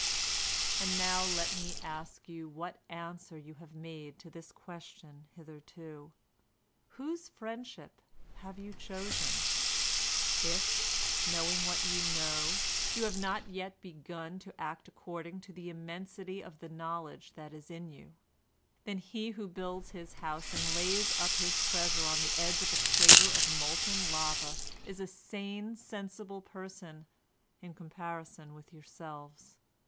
"And now let me ask you what answer you have made to this question hitherto? Whose friendship have you chosen? If, knowing what you know, you have not yet begun to act according to the immensity of the knowledge that is in you, then he who builds his house and lays up his treasure on the edge of a crater of molten lava is a sane, sensible person in comparison with yourselves.